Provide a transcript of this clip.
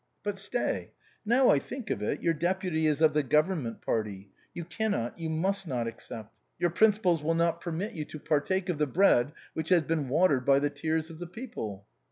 But stay ! Now I think of it, your deputy is of the government party; you cannot, you must not accept. Your principles will not permit you to partake of the bread which has been watered by the tears of the people."